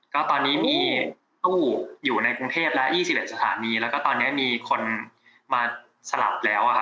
ก็ตอนนี้มีตู้อยู่ในกรุงเทพและอีสิเหลฯกตาแสถานีและก็ตอนนี้มีคนมาสลับแล้วอะครับ